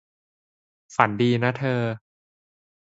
ฝันดีนะเธอ